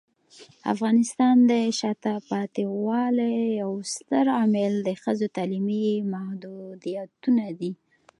د افغانستان د شاته پاتې والي یو ستر عامل د ښځو تعلیمي محدودیتونه دي.